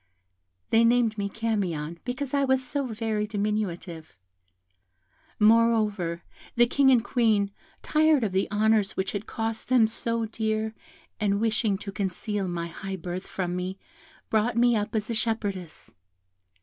"They named me Camion, because I was so very diminutive. Moreover, the King and Queen, tired of the honours which had cost them so dear, and wishing to conceal my high birth from me, brought me up as a shepherdess.